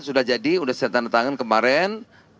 sudah jadi sudah setan tangan kemarin